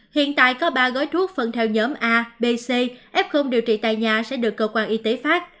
hiện tại có ba gói thuốc phân theo nhóm a b c f điều trị tại nhà sẽ được cơ quan y tế phát